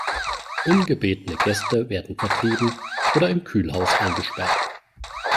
Ungebetene Gäste werden vertrieben oder im Kühlhaus eingesperrt.